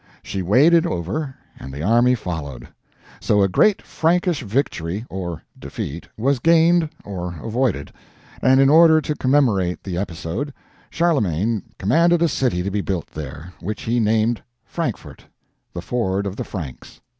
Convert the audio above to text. She waded over, and the army followed. So a great Frankish victory or defeat was gained or avoided; and in order to commemorate the episode, Charlemagne commanded a city to be built there, which he named Frankfort the ford of the Franks.